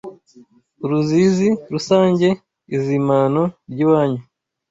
Uruzizi rusange Izimano ry’iwanyu